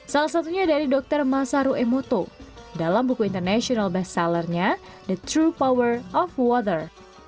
salah satunya dari dokter masaru emoto dalam buku international bestsellernya the true power of water